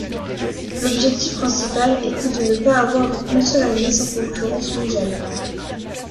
L'objectif principal était de ne pas avoir une seule année sans concurrence mondial.